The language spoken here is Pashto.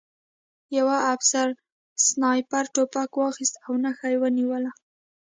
یوه افسر سنایپر توپک واخیست او نښه یې ونیوله